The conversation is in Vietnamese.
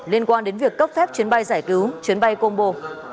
liên quan đến việc cấp phép chuyến bay giải cứu chuyến bay combo